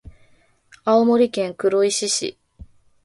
青森県黒石市